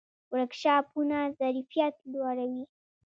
ورکشاپونه ظرفیت لوړوي